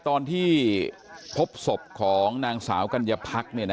ตอนที่พบศพของนางสาวกัญญาพัก